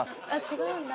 違うんだ。